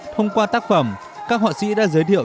thông qua tác phẩm các họa sĩ đã giới thiệu